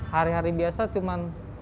hari hari biasa cuma satu delapan ratus